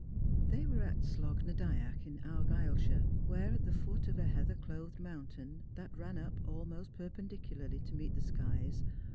They were at Slogh na Dyack, in Argyleshire, where, at the foot of a heather clothed mountain that ran up almost perpen dicialarly to meet the skies.